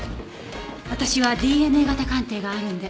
私はＤＮＡ型鑑定があるので。